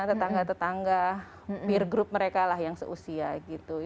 tetangga tetangga peer group mereka lah yang seusia gitu